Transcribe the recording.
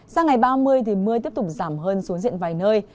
sang ngày ba mươi thì mưa tiếp tục giảm hơn xuống diện vài nơi